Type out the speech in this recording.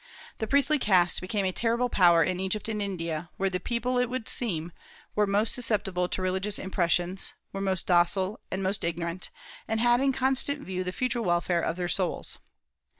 The priestly caste became a terrible power in Egypt and India, where the people, it would seem, were most susceptible to religious impressions, were most docile and most ignorant, and had in constant view the future welfare of their souls.